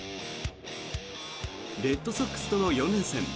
レッドソックスとの４連戦。